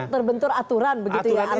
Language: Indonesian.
terbentuk aturan begitu ya artinya